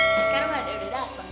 sekarang ada yang udah dateng